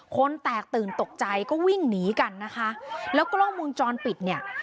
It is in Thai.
คนแตกตื่นตกใจก็วิ่งหนีกันนะคะแล้วกล้องมุมจรปิดเนี่ย